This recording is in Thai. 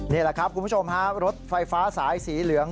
นี่แหละครับคุณผู้ชมฮะรถไฟฟ้าสายสีเหลือง